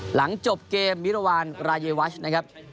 หลังจบเกมมิรวาลรายวัชนะครับ